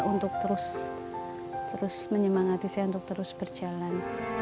untuk terus menyemang hati saya untuk terus berjalan